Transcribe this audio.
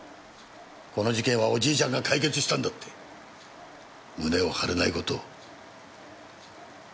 この事件はおじいちゃんが解決したんだって胸を張れない事を。